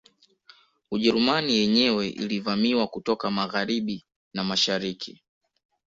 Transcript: Ujerumani yenyewe ilivamiwa kutoka Magharibi na mashariki